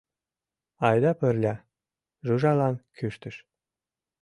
— Айда пырля, — Жужалан кӱштыш.